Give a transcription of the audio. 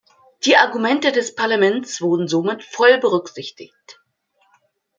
Die Argumente des Parlaments wurden somit voll berücksichtigt.